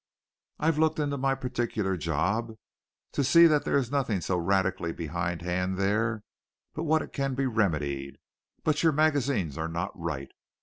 I've looked into my particular job to see that there is nothing so radically behindhand there but what it can be remedied, but your magazines are not right.